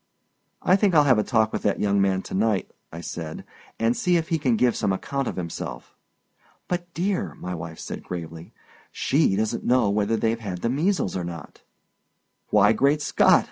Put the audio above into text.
"I think I'll have a talk with that young man to night," I said, "and see if he can give some account of himself." "But, my dear," my wife said, gravely, "she doesn't know whether they've had the measles or not." "Why, Great Scott!"